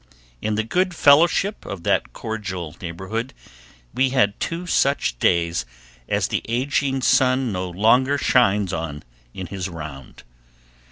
In the good fellowship of that cordial neighborhood we had two such days as the aging sun no longer shines on in his round.